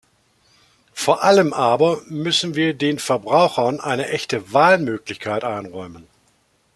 Vor allem aber müssen wir den Verbrauchern eine echte Wahlmöglichkeit einräumen.